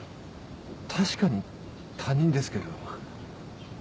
確かに他人ですけど。